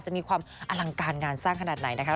จะมีความอลังการงานสร้างขนาดไหนนะคะ